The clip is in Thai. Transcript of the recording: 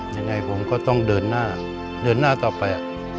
ยังไงผมก็ต้องเดินหน้าต่อไป